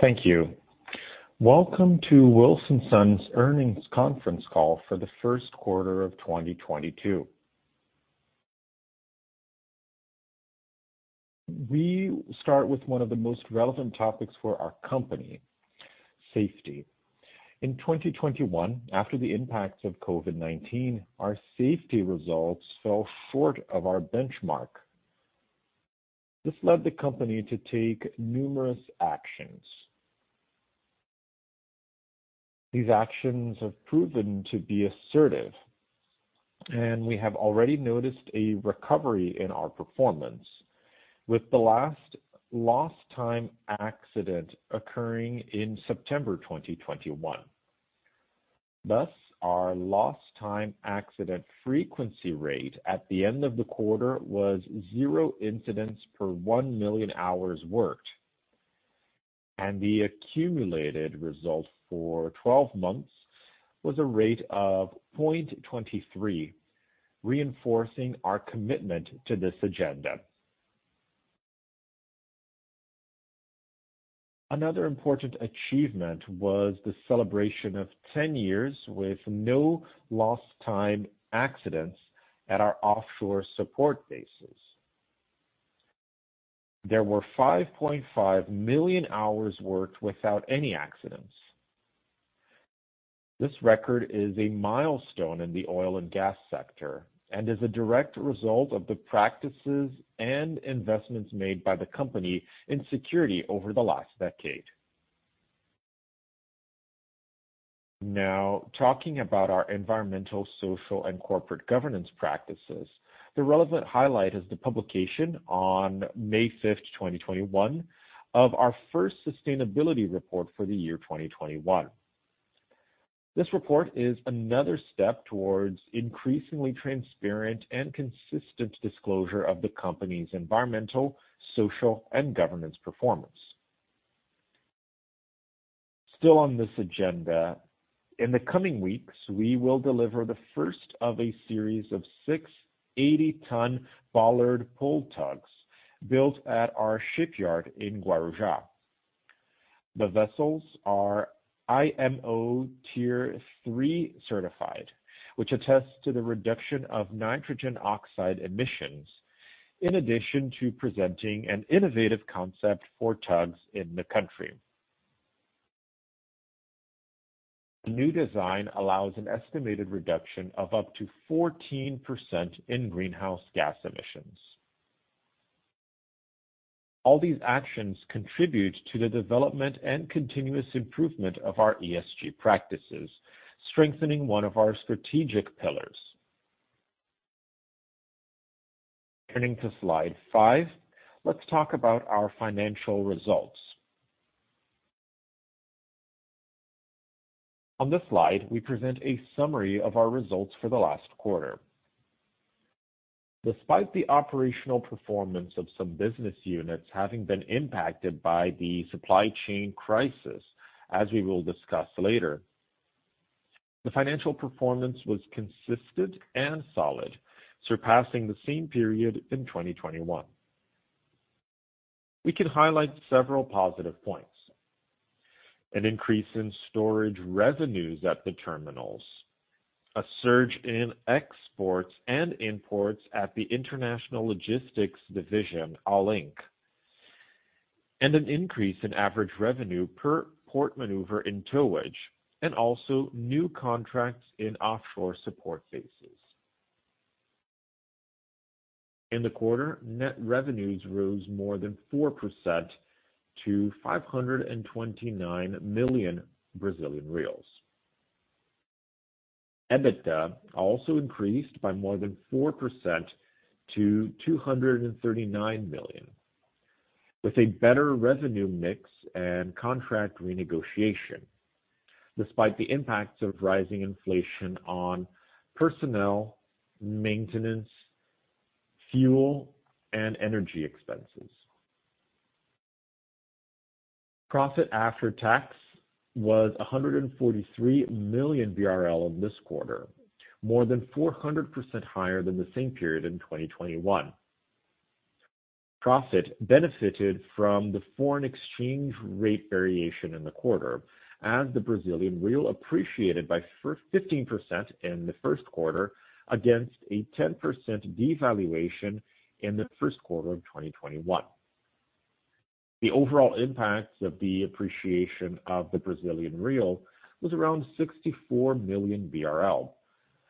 Thank you. Welcome to Wilson Sons Earnings Conference Call for the First Quarter of 2022. We start with one of the most relevant topics for our company, safety. In 2021, after the impacts of COVID-19, our safety results fell short of our benchmark. This led the company to take numerous actions. These actions have proven to be assertive, and we have already noticed a recovery in our performance with the last lost-time accident occurring in September 2021. Thus, our lost-time accident frequency rate at the end of the quarter was 0 incidents per 1 million hours worked, and the accumulated result for 12 months was a rate of 0.23, reinforcing our commitment to this agenda. Another important achievement was the celebration of 10 years with no lost-time accidents at our offshore support bases. There were 5.5 million hours worked without any accidents. This record is a milestone in the oil and gas sector and is a direct result of the practices and investments made by the company in security over the last decade. Now, talking about our environmental, social, and corporate governance practices, the relevant highlight is the publication on May 5, 2021 of our First Sustainability Report for the year 2021. This report is another step towards increasingly transparent and consistent disclosure of the company's environmental, social, and governance performance. Still on this agenda, in the coming weeks, we will deliver the first of a series of six 80-ton bollard pull tugs built at our shipyard in Guarujá. The vessels are IMO Tier III certified, which attests to the reduction of nitrogen oxide emissions in addition to presenting an innovative concept for tugs in the country. New design allows an estimated reduction of up to 14% in greenhouse gas emissions. All these actions contribute to the development and continuous improvement of our ESG practices, strengthening one of our strategic pillars. Turning to slide 5, let's talk about our financial results. On this slide, we present a summary of our results for the last quarter. Despite the operational performance of some business units having been impacted by the supply chain crisis, as we will discuss later, the financial performance was consistent and solid, surpassing the same period in 2021. We can highlight several positive points. An increase in storage revenues at the terminals, a surge in exports and imports at the International Logistics Division, Allink, and an increase in average revenue per port maneuver in towage, and also new contracts in offshore support bases. In the quarter, net revenues rose more than 4% to 529 million Brazilian reais. EBITDA also increased by more than 4% to 239 million, with a better revenue mix and contract renegotiation despite the impacts of rising inflation on personnel, maintenance, fuel, and energy expenses. Profit after tax was 143 million BRL in this quarter, more than 400% higher than the same period in 2021. Profit benefited from the foreign exchange rate variation in the quarter as the Brazilian real appreciated by 15% in the first quarter against a 10% devaluation in the first quarter of 2021. The overall impact of the appreciation of the Brazilian real was around 64 million BRL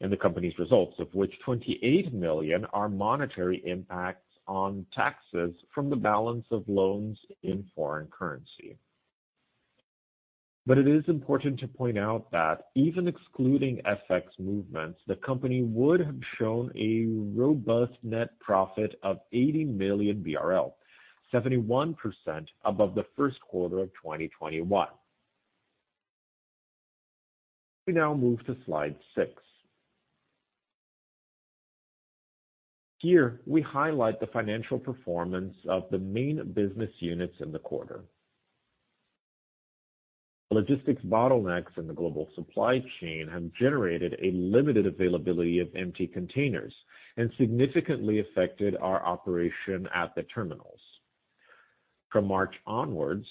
in the company's results, of which 28 million are monetary impacts on taxes from the balance of loans in foreign currency. It is important to point out that even excluding FX movements, the company would have shown a robust net profit of 80 million BRL, 71% above the first quarter of 2021. We now move to slide 6. Here, we highlight the financial performance of the main business units in the quarter. Logistics bottlenecks in the global supply chain have generated a limited availability of empty containers and significantly affected our operation at the terminals. From March onwards,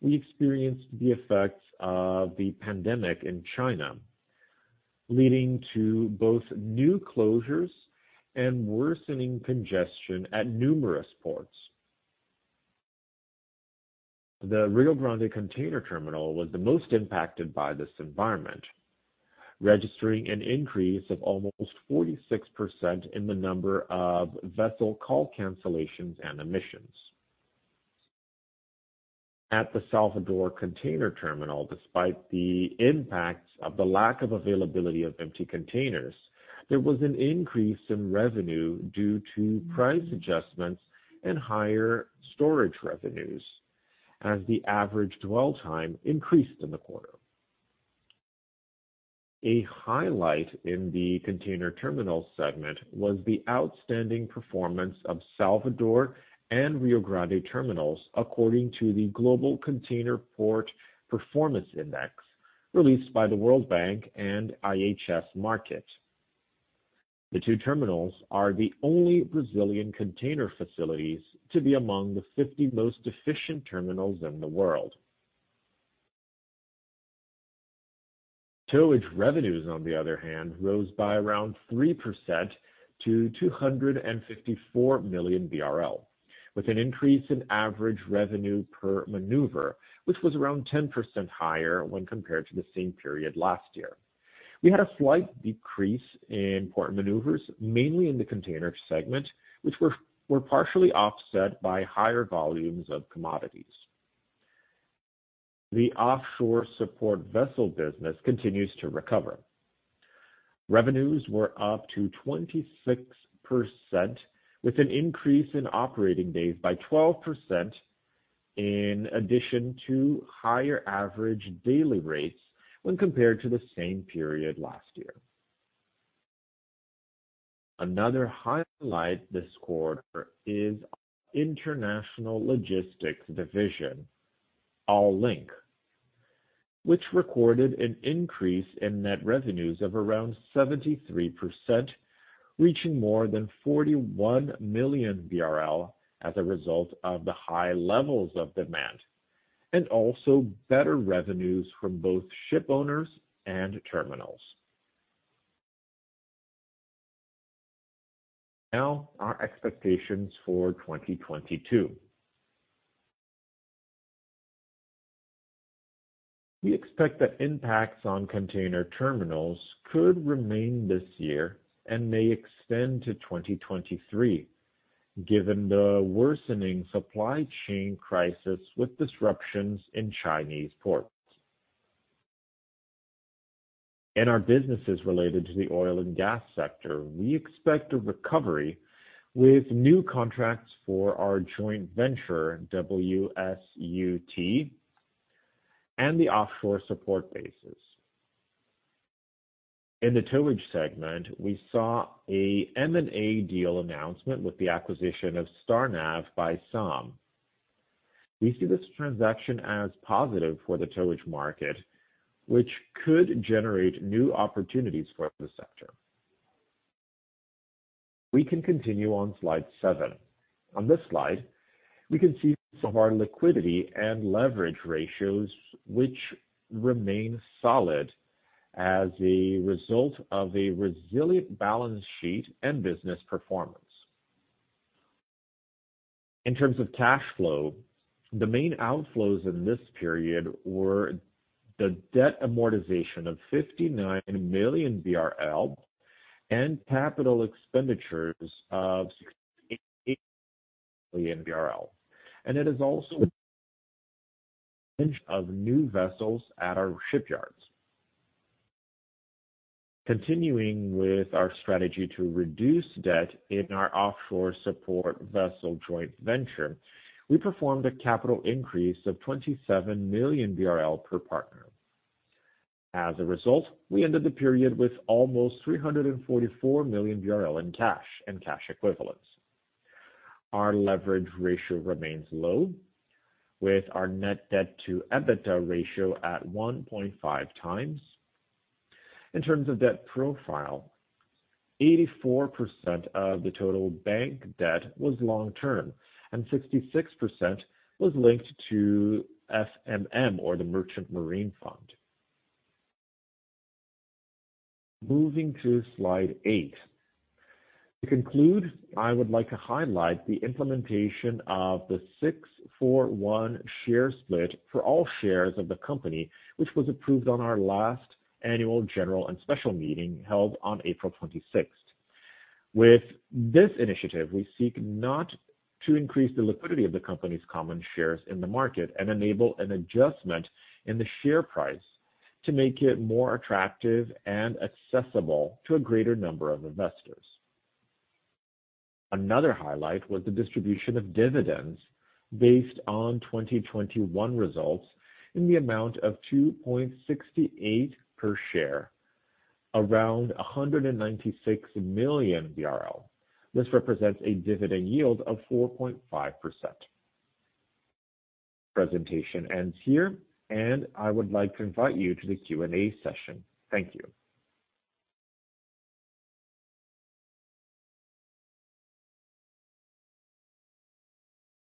we experienced the effects of the pandemic in China, leading to both new closures and worsening congestion at numerous ports. The Rio Grande Container Terminal was the most impacted by this environment, registering an increase of almost 46% in the number of vessel call cancellations and emissions. At the Salvador Container Terminal, despite the impacts of the lack of availability of empty containers, there was an increase in revenue due to price adjustments and higher storage revenues as the average dwell time increased in the quarter. A highlight in the container terminal segment was the outstanding performance of Salvador and Rio Grande Terminals according to the Global Container Port Performance Index released by the World Bank and IHS Markit. The two terminals are the only Brazilian container facilities to be among the 50 most efficient terminals in the world. Towage revenues, on the other hand, rose by around 3% to 254 million BRL, with an increase in average revenue per maneuver, which was around 10% higher when compared to the same period last year. We had a slight decrease in port maneuvers, mainly in the container segment, which were partially offset by higher volumes of commodities. The offshore support vessel business continues to recover. Revenues were up to 26% with an increase in operating days by 12% in addition to higher average daily rates when compared to the same period last year. Another highlight this quarter is our international logistics division, Allink, which recorded an increase in net revenues of around 73%, reaching more than 41 million as a result of the high levels of demand and also better revenues from both shipowners and terminals. Now our expectations for 2022. We expect that impacts on container terminals could remain this year and may extend to 2023, given the worsening supply chain crisis with disruptions in Chinese ports. In our businesses related to the oil and gas sector, we expect a recovery with new contracts for our joint venture, WSUT, and the offshore support bases. In the towage segment, we saw a M&A deal announcement with the acquisition of Starnav by SAAM. We see this transaction as positive for the towage market, which could generate new opportunities for the sector. We can continue on slide 7. On this slide, we can see some of our liquidity and leverage ratios which remain solid as a result of a resilient balance sheet and business performance. In terms of cash flow, the main outflows in this period were the debt amortization of 59 million BRL and capital expenditures of 68 million BRL. It is also for new vessels at our shipyards. Continuing with our strategy to reduce debt in our offshore support vessel joint venture, we performed a capital increase of 27 million BRL per partner. As a result, we ended the period with almost 344 million BRL in cash and cash equivalents. Our leverage ratio remains low, with our net debt to EBITDA ratio at 1.5 times. In terms of debt profile, 84% of the total bank debt was long-term, and 66% was linked to FMM or the Merchant Marine Fund. Moving to slide 8. To conclude, I would like to highlight the implementation of the 6-for-1 Share Split for all shares of the company, which was approved on our last annual general and special meeting held on April 26th. With this initiative, we seek not to increase the liquidity of the company's common shares in the market and enable an adjustment in the share price to make it more attractive and accessible to a greater number of investors. Another highlight was the distribution of dividends based on 2021 results in the amount of 2.68 per share. Around 196 million. This represents a dividend yield of 4.5%. Presentation ends here, and I would like to invite you to the Q&A session. Thank you.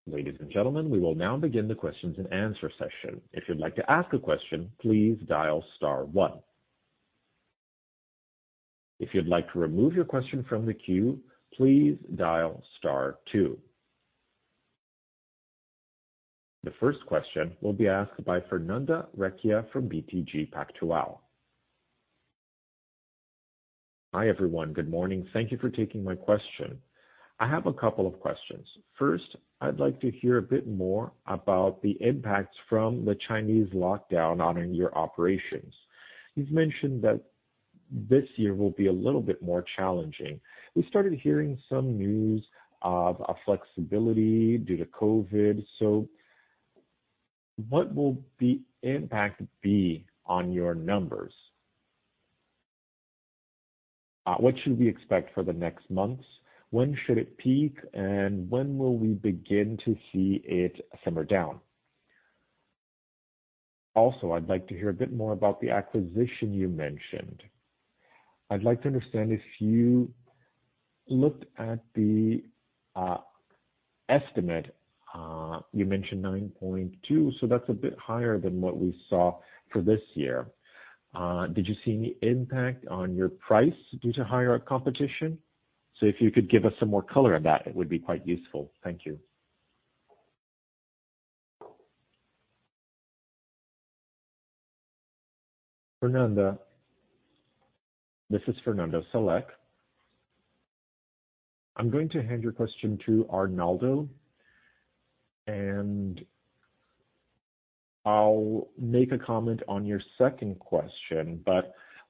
Ladies and gentlemen, we will now begin the questions and answer session. If you'd like to ask a question, please dial star one. If you'd like to remove your question from the queue, please dial star two. The first question will be asked by Fernanda Recchia from BTG Pactual. Hi, everyone. Good morning. Thank you for taking my question. I have a couple of questions. First, I'd like to hear a bit more about the impacts from the Chinese lockdown on your operations. You've mentioned that this year will be a little bit more challenging. We started hearing some news of some flexibility due to COVID. What will the impact be on your numbers? What should we expect for the next months? When should it peak, and when will we begin to see it simmer down? Also, I'd like to hear a bit more about the acquisition you mentioned. I'd like to understand if you looked at the estimate you mentioned 9.2, so that's a bit higher than what we saw for this year. Did you see any impact on your price due to higher competition? If you could give us some more color on that, it would be quite useful. Thank you. Fernanda, this is Fernando Salek. I'm going to hand your question to Arnaldo, and I'll make a comment on your second question.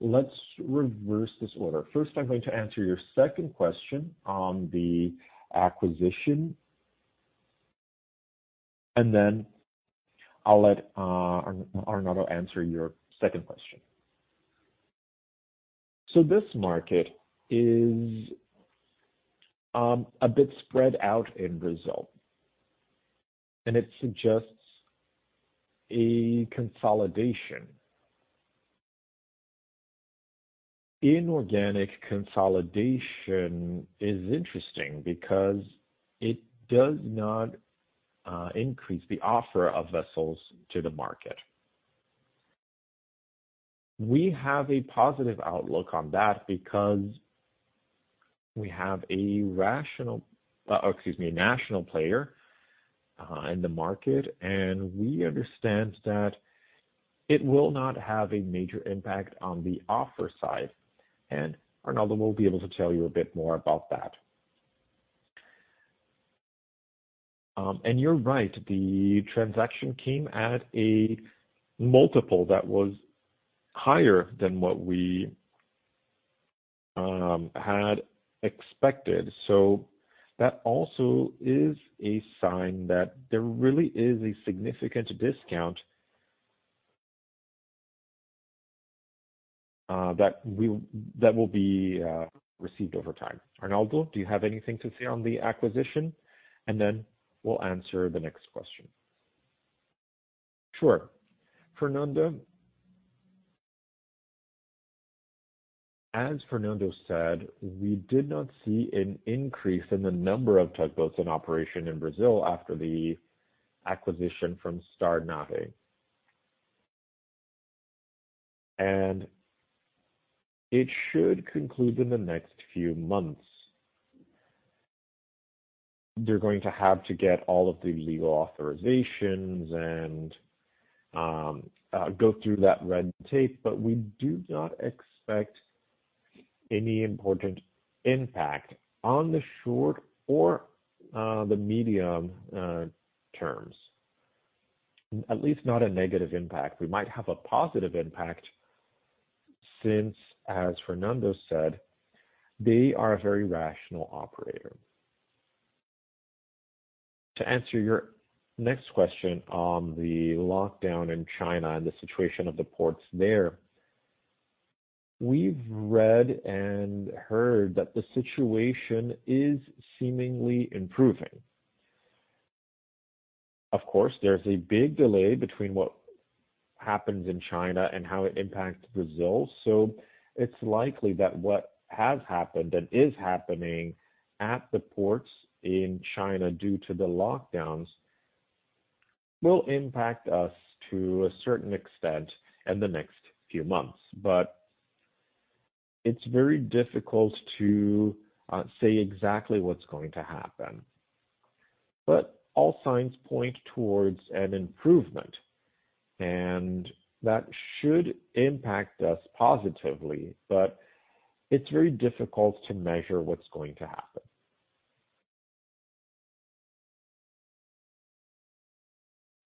Let's reverse this order. First, I'm going to answer your second question on the acquisition, and then I'll let Arnaldo answer your second question. This market is a bit spread out in Brazil, and it suggests a consolidation. Inorganic consolidation is interesting because it does not increase the offer of vessels to the market. We have a positive outlook on that because we have a national player in the market, and we understand that it will not have a major impact on the offer side, and Arnaldo will be able to tell you a bit more about that. You're right, the transaction came at a multiple that was higher than what we had expected. That also is a sign that there really is a significant discount that will be received over time. Arnaldo, do you have anything to say on the acquisition? We'll answer the next question. Sure. Fernanda, as Fernando said, we did not see an increase in the number of tugboats in operation in Brazil after the acquisition from Starnav. It should conclude in the next few months. They're going to have to get all of the legal authorizations and go through that red tape. We do not expect any important impact on the short or the medium terms, at least not a negative impact. We might have a positive impact since, as Fernando said, they are a very rational operator. To answer your next question on the lockdown in China and the situation of the ports there, we've read and heard that the situation is seemingly improving. Of course, there's a big delay between what happens in China and how it impacts Brazil, so it's likely that what has happened and is happening at the ports in China due to the lockdowns will impact us to a certain extent in the next few months. It's very difficult to say exactly what's going to happen. All signs point towards an improvement, and that should impact us positively. It's very difficult to measure what's going to happen.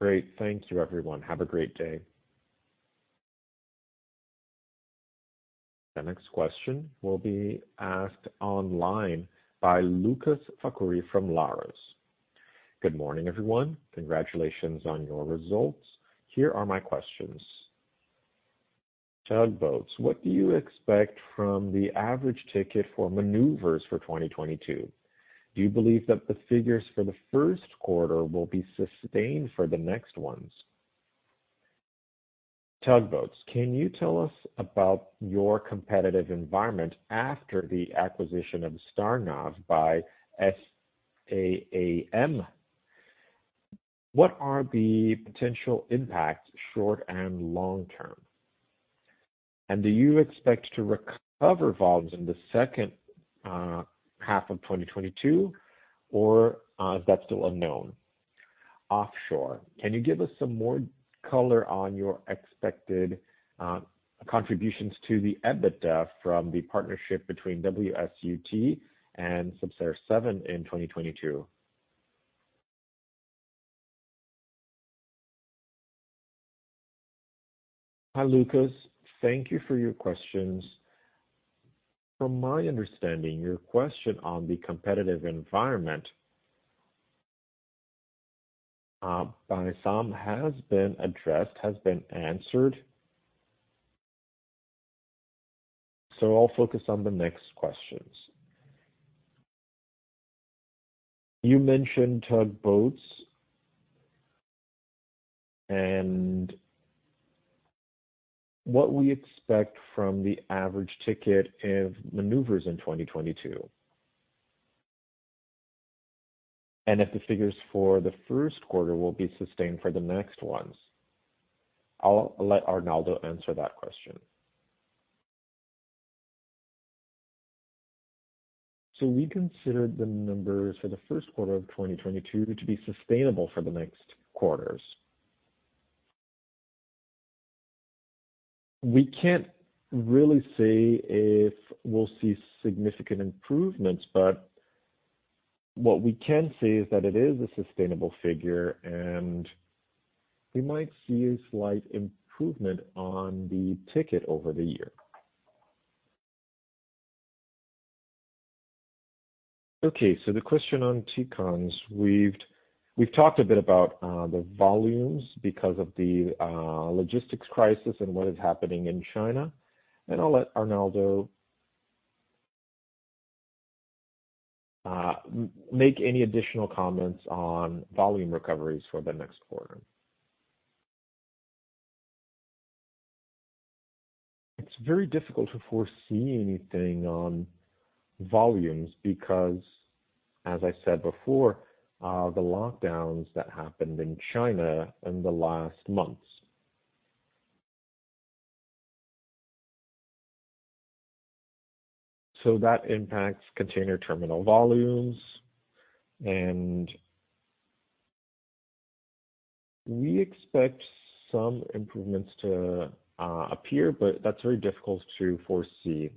Great. Thank you, everyone. Have a great day. The next question will be asked online by Lucas Facuri from Lares. Good morning, everyone. Congratulations on your results. Here are my questions. Tugboats, what do you expect from the average ticket for maneuvers for 2022? Do you believe that the figures for the first quarter will be sustained for the next ones? Tugboats, can you tell us about your competitive environment after the acquisition of Starnav by SAAM? What are the potential impacts, short and long-term? Do you expect to recover volumes in the second half of 2022, or is that still unknown? Offshore, can you give us some more color on your expected contributions to the EBITDA from the partnership between WSUT and Subsea 7 in 2022? Hi, Lucas. Thank you for your questions. From my understanding, your question on the competitive environment by some has been answered. I'll focus on the next questions. You mentioned tugboats and what we expect from the average ticket of maneuvers in 2022, and if the figures for the first quarter will be sustained for the next ones. I'll let Arnaldo answer that question. We consider the numbers for the first quarter of 2022 to be sustainable for the next quarters. We can't really say if we'll see significant improvements, but what we can say is that it is a sustainable figure, and we might see a slight improvement on the ticket over the year. The question on TECONS, we've talked a bit about the volumes because of the logistics crisis and what is happening in China. I'll let Arnaldo make any additional comments on volume recoveries for the next quarter. It's very difficult to foresee anything on volumes because, as I said before, the lockdowns that happened in China in the last months. That impacts container terminal volumes and we expect some improvements to appear, but that's very difficult to foresee.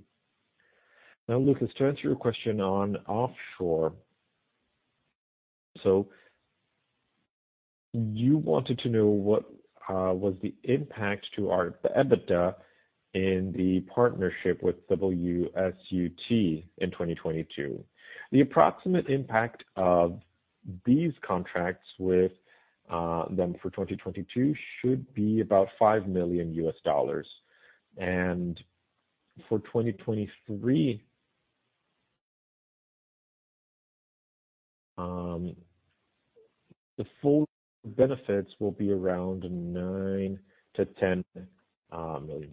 Now, Lucas, to answer your question on offshore. You wanted to know what was the impact to our EBITDA in the partnership with WSUT in 2022. The approximate impact of these contracts with them for 2022 should be about $5 million. For 2023, the full benefits will be around $9 million-$10 million.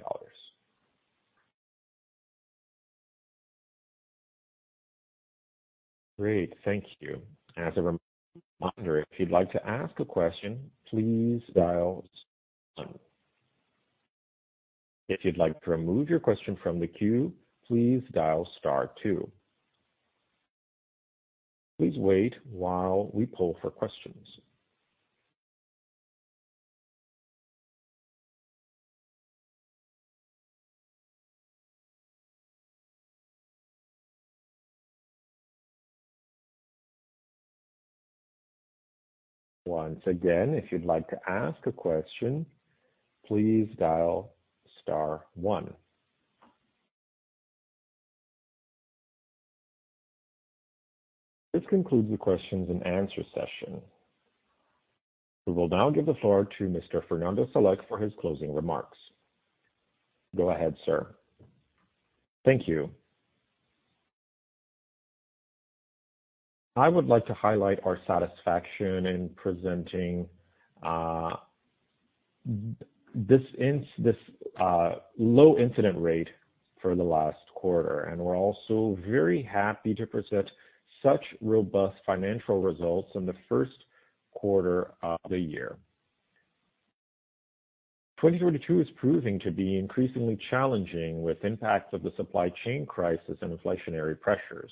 Great, thank you. As a reminder, if you'd like to ask a question, please dial star one. If you'd like to remove your question from the queue, please dial star two. Please wait while we poll for questions. Once again, if you'd like to ask a question, please dial star one. This concludes the questions and answer session. We will now give the floor to Mr. Fernando Salek for his closing remarks. Go ahead, sir. Thank you. I would like to highlight our satisfaction in presenting this low incident rate for the last quarter. We're also very happy to present such robust financial results in the first quarter of the year. 2022 is proving to be increasingly challenging with impacts of the supply chain crisis and inflationary pressures.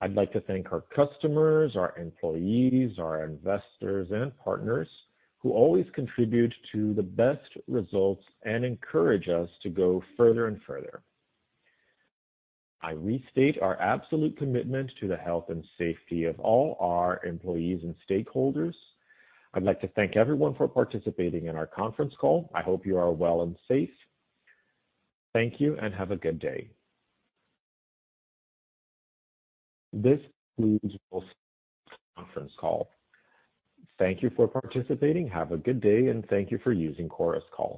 I'd like to thank our customers, our employees, our investors and partners who always contribute to the best results and encourage us to go further and further. I restate our absolute commitment to the health and safety of all our employees and stakeholders. I'd like to thank everyone for participating in our conference call. I hope you are well and safe. Thank you and have a good day. This concludes our conference call. Thank you for participating. Have a good day, and thank you for using Chorus Call.